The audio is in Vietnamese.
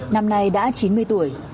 năm nay đã chín mươi tuổi